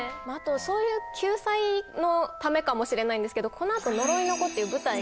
そういう救済のためかもしれないんですけどこの後『呪いの子』っていう舞台が。